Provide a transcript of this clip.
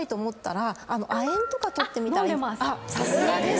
さすがです！